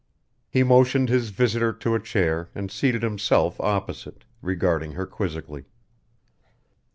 He motioned his visitor to a chair and seated himself opposite, regarding her quizzically.